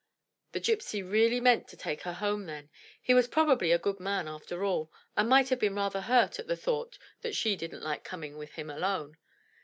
The gypsy really meant to take her home then; he was probably a good man after all, and might have been rather hurt at the thought that she didn't like coming with him alone.